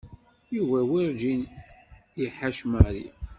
Yuba werǧin i iḥac Mary.